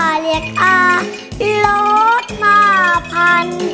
เรียกค่าโล่นห้าพัน